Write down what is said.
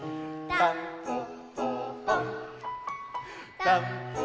たんぽっぽぽん！」